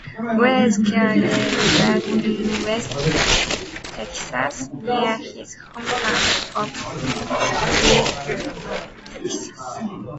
Wells currently resides in Westlake, Texas, near his hometown of Arlington, Texas.